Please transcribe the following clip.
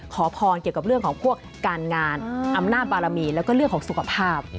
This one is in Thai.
ขอพรเกี่ยวกับเรื่องของพวกการงานอำนาจบารมีแล้วก็เรื่องของสุขภาพ